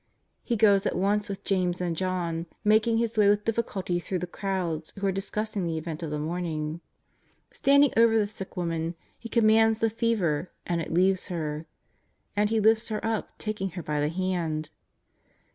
He goes at once with James and John, making His way with difficulty through the crowds who are discussing the event of the morning. Standing over the sick woman. He commands the fever and it leaves her. And He lifts her up, taking her by the hand.